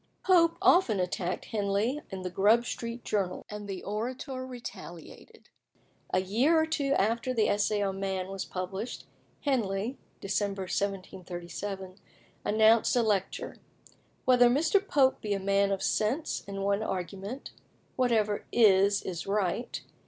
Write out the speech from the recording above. Pope often attacked Henley in the Grub Street Journal, and the Orator retaliated. A year or two after the Essay on Man was published, Henley (Dec. 1737) announced a lecture, "Whether Mr. Pope be a man of sense, in one argument 'Whatever is is right.